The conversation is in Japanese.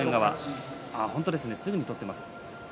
すぐに取っていますね。